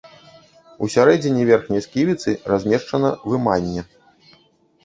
У сярэдзіне верхняй сківіцы размешчана выманне.